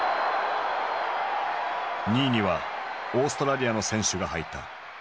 ２位にはオーストラリアの選手が入った。